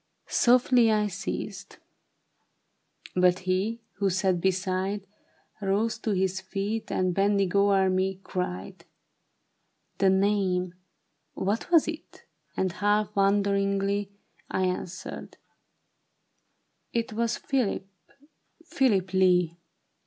Softly I ceased ; but he who sat beside Rose to his feet and bending o'er me, cried, ^^ The name, what was it ?" And half wonder ingly, I answered, '' It was Philip, Philip Lee."